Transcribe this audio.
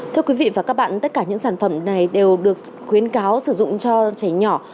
thưa quý vị và các bạn tất cả những sản phẩm này đều được khuyến cáo sử dụng cho trẻ nhỏ